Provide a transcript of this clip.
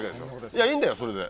いやいいんだよそれで。